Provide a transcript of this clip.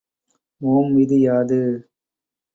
ஓம் விதி யாது?